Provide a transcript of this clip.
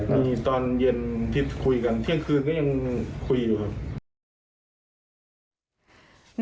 มีตอนเย็นที่คุยกันเที่ยงคืนก็ยังคุยอยู่ครับ